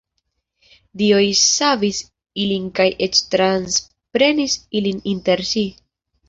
Dioj savis ilin kaj eĉ transprenis ilin inter si.